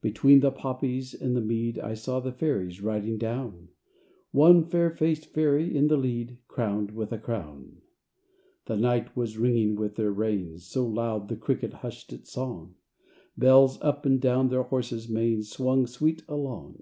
Between the poppies and the mead I saw the Fairies riding down: One fair faced Fairy in the lead Crowned with a crown. The night was ringing with their reins, So loud the cricket hushed its song; Bells up and down their horses' manes Swung sweet along.